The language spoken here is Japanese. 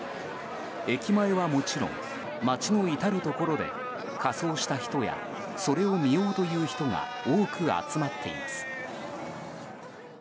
駅前はもちろん街の至るところで仮装した人やそれを見ようという人が多く集まっています。